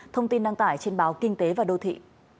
thông tin đăng tải trên báo kinh tế và đô thị